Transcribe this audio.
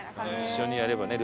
一緒にやればね